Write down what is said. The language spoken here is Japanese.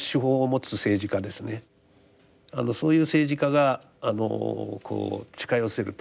そういう政治家があのこう近寄せると。